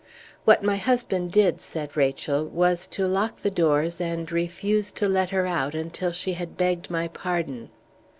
"What my husband did," said Rachel, "was to lock the doors and refuse to let her out until she had begged my pardon."